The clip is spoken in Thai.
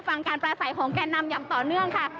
ฟังการปราศัยของแก่นำอย่างต่อเนื่องค่ะ